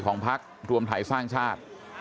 ของภักดิ์รวมไทยสร้างชาติ